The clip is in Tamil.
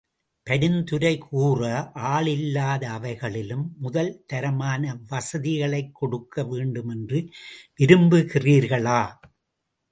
பரிந்துரை கூற ஆள் இல்லாத அவைகளிலும் முதல் தரமான வசதிகளைக் கொடுக்க வேண்டுமென்று விரும்புகிறிர்களா?